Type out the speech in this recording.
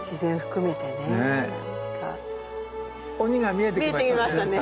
見えてきましたね。